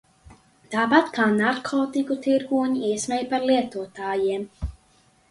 Tāpat kā narkotiku tirgoņi iesmej par lietotājiem.